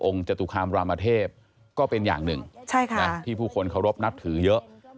จตุคามรามเทพก็เป็นอย่างหนึ่งที่ผู้คนเคารพนับถือเยอะ